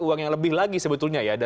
uang yang lebih lagi sebetulnya ya